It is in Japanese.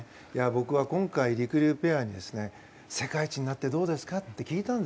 僕は今回りくりゅうペアに世界一になってどうですかと。